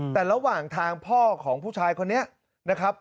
แต่ระหว่างทางพ่อของผู้ชายคนนี้นะครับ